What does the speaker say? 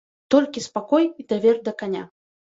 Толькі спакой і давер да каня.